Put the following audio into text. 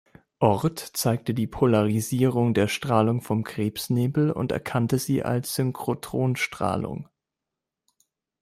Oort zeigte die Polarisierung der Strahlung vom Krebsnebel und erkannte sie als Synchrotronstrahlung.